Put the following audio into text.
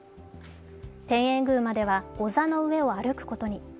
天苑宮まではござの上を歩くことに。